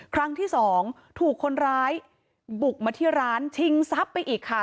ครั้งที่สองถูกคนร้ายบุกมาที่ร้านชิงทรัพย์ไปอีกค่ะ